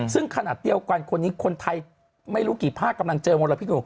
ซึ่งขนาดเดียวกันคนนี้คนไทยไม่รู้กี่ภาคกำลังเจอมลพิษอยู่